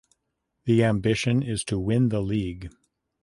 The ambition is to win the league.